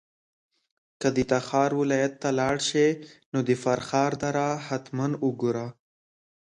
که د تخار ولایت ته لاړ شې نو د فرخار دره حتماً وګوره.